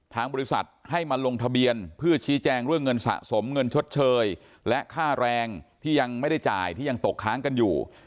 ทางบริษัทให้มาลงทะเบียนเพื่อชี้แจงเรื่องเงินสะสมเงินชดเชยและค่าแรงที่ยังไม่ได้จ่ายที่ยังตกค้างกันอยู่